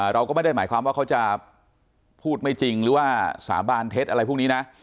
เราก็ไม่ได้หมายความว่าเขาจะพูดไม่จริงหรือว่าสาบานเท็จอะไรพวกนี้นะ